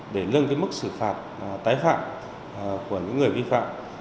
để lưng cái mức xử phạt tái phạm của những người vi phạm